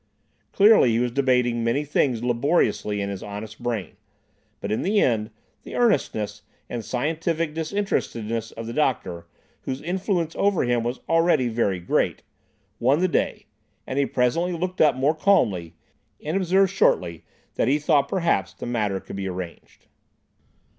Clearly he was debating many things laboriously in his honest brain. But, in the end, the earnestness and scientific disinterestedness of the doctor, whose influence over him was already very great, won the day, and he presently looked up more calmly, and observed shortly that he thought perhaps the matter could be arranged.